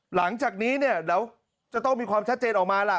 หลังจากนี้เนี่ยเดี๋ยวจะต้องมีความชัดเจนออกมาล่ะ